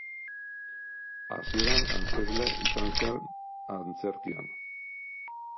Hasieran antzezle izan zen antzerkian.